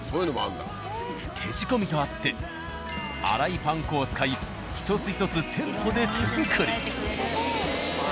手仕込みとあって粗いパン粉を使い一つ一つ店舗で手作り。